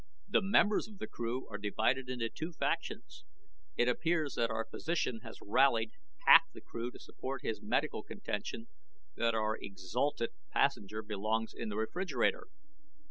"The members of the crew are divided into two factions. It appears that our physician has rallied half the crew to support his medical contention that our exhalted passenger belongs in the refrigerator.